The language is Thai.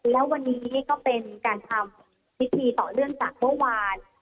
แล้ววันนี้ก็เป็นการทำพิธีต่อเนื่องจากเมื่อวาน